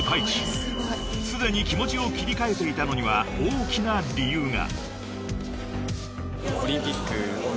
［すでに気持ちを切り替えていたのには大きな理由が］